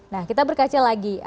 nah kita berkaca lagi